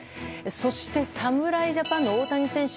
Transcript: そして、侍ジャパンの大谷選手。